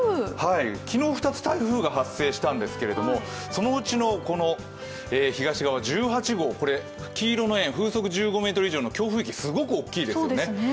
昨日２つ台風が発生したんですけれども、そのうちの東側、１８号、黄色の円、強風の域がすごく大きいですよね。